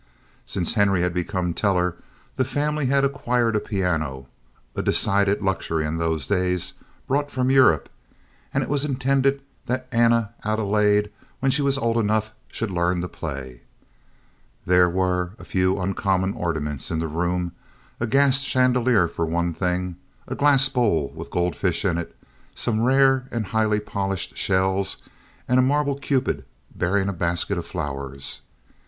Since Henry had become teller the family had acquired a piano—a decided luxury in those days—brought from Europe; and it was intended that Anna Adelaide, when she was old enough, should learn to play. There were a few uncommon ornaments in the room—a gas chandelier for one thing, a glass bowl with goldfish in it, some rare and highly polished shells, and a marble Cupid bearing a basket of flowers.